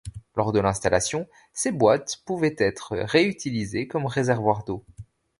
Lors de l'installation, ces boîtes pouvaient être ré-utilisées comme réservoirs d'eau.